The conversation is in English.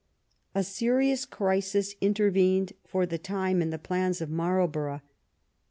A serious crisis intervened for the time in the plans of Marlborough.